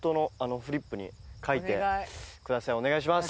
お願いします。